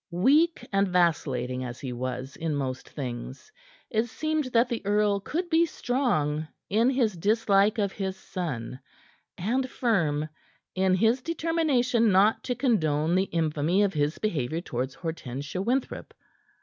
Weak and vacillating as he was in most things, it seemed that the earl could be strong in his dislike of his son, and firm in his determination not to condone the infamy of his behavior toward Hortensia Winthrop.